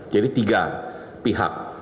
jadi tiga pihak